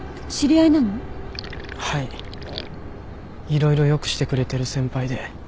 色々よくしてくれてる先輩で。